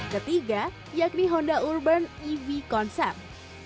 ketiga yakni honda urban ev concept